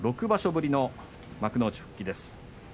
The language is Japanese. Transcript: ６場所ぶりの幕内復帰です。